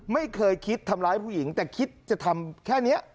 ไม่เคยคิดทำร้ายผู้หญิงแต่คิดจะทำแค่นี้